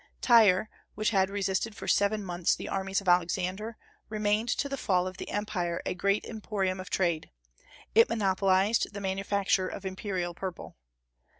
Tyre, which had resisted for seven months the armies of Alexander, remained to the fall of the empire a great emporium of trade; it monopolized the manufacture of imperial purple.